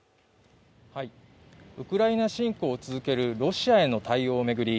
ウクライナ侵攻を続けるロシアへの対応を巡り